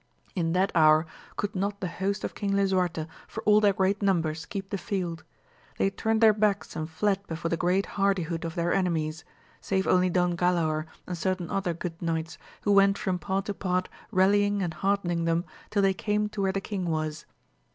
In that hour could not the host of Eong Lisuarte for all their great numbers keep the field; they turned their backs and fled before the great hardihood of their enemies, save only Don Galaor and certain other good knights, who went from part to part rallying and heartening them till they came to where the king was.